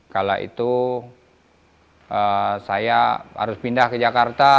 kala itu saya harus pindah ke jakarta